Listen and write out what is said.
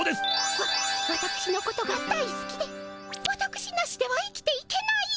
わわたくしのことが大すきでわたくしなしでは生きていけない？